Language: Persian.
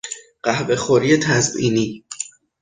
قهوه خوری تزئینی